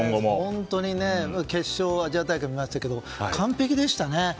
本当に、決勝アジア大会で見ましたが完璧でした。